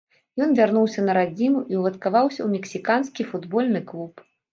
Ён вярнуўся на радзіму і ўладкаваўся ў мексіканскі футбольны клуб.